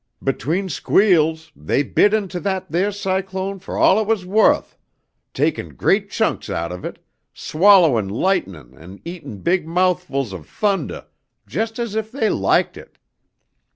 "Between squeals they bit into that theah cyclone fo' all it was wuth, takin' great chunks out of it, swallowin' lightnin' and eatin' big mouthfuls of thundah just as if they laiked it.